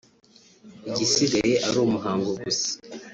igisigaye ari umuhango gusa